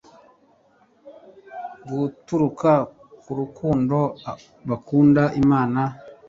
guturuka ku rukundo bakunda imana